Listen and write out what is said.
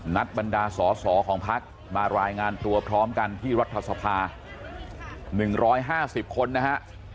บรรดาสอสอของพักมารายงานตัวพร้อมกันที่รัฐสภา๑๕๐คนนะฮะ